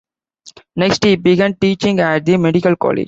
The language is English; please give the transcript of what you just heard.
Next he began teaching at the medical college.